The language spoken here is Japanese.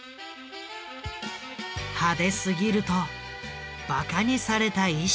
派手すぎるとバカにされた衣装。